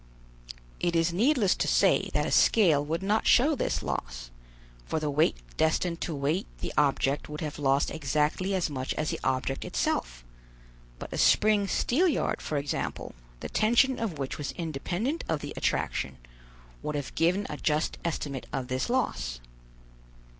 It is needless to say that a scale would not show this loss; for the weight destined to weight the object would have lost exactly as much as the object itself; but a spring steelyard for example, the tension of which was independent of the attraction, would have given a just estimate of this loss.